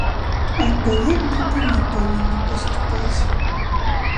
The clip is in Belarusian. Адпаведна і мы павінны паступаць.